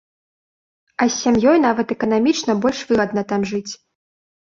А з сям'ёй нават эканамічна больш выгадна там жыць.